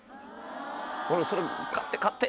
俺それ買って買って！